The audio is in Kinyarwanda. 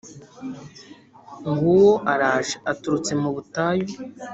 Ng’uwo araje, aturutse mu butayu,